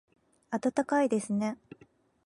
暖かいですね